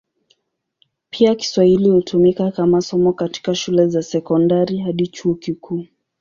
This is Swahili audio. Pia Kiswahili hutumika kama somo katika shule za sekondari hadi chuo kikuu.